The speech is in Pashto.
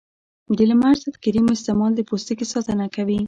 د لمر ضد کریم استعمال د پوستکي ساتنه کوي.